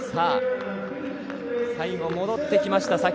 最後、戻ってきました